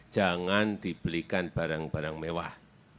jangan dibelikan barang barang mewah